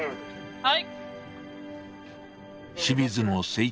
はい。